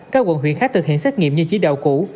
các quận huyện khác thực hiện xét nghiệm như chỉ đạo cũ